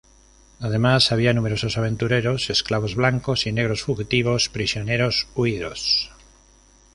Además había numerosos aventureros, esclavos blancos y negros fugitivos, prisioneros huidos.